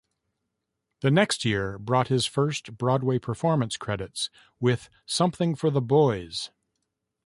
The next year brought his first Broadway performance credits with Something for the Boys.